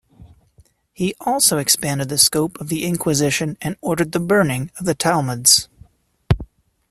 He also expanded the scope of the Inquisition and ordered the burning of Talmuds.